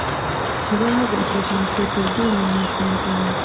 ntibarahagurukira kwandika ibitabo by’ubumenyi mu kinyarwanda